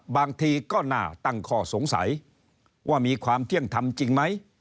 บางทีก็น่าตั้งข้อสงสัยว่ามีความเที่ยงธรรมจริงไหม